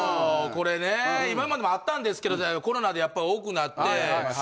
これね今までもあったんですけどコロナでやっぱ多くなって。